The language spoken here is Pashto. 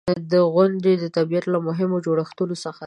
• غونډۍ د طبیعت له مهمو جوړښتونو څخه دي.